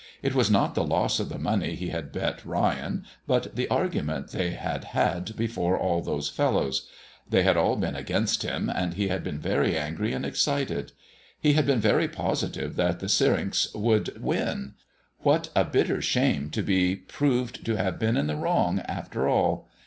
It was not the loss of the money he had bet Ryan, but the argument they had had before all those fellows. They had all been against him, and he had been very angry and excited. He had been very positive that the Syrinx would win. What a bitter shame to be proved to have been in the wrong, after all.